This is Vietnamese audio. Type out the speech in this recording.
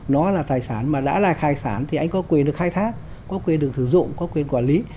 nó là tài sản mà đã là khai sản thì anh có quyền được khai thác có quyền được sử dụng có quyền quản lý